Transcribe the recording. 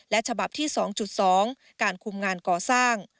ฉบับที่๒๒การคุมงานก่อสร้าง